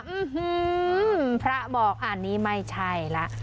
ื้อหือพระบอกอันนี้ไม่ใช่ละ